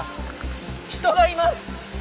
人がいます。